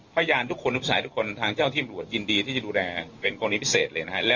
พยานทุกคนทุกสายทุกคนทางเจ้าที่ตำรวจยินดีที่จะดูแลเป็นกรณีพิเศษเลยนะฮะ